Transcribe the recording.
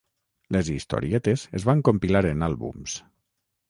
Les historietes es van compilar en àlbums.